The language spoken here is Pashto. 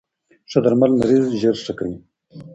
ښه درمل مریض زر ښه کوی.